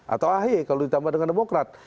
atau ahy kalau ditambah dengan demokrat